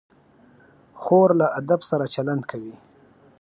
خور له ادب سره چلند کوي.